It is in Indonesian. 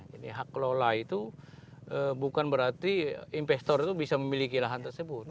jadi hak kelola itu bukan berarti investor itu bisa memiliki lahan tersebut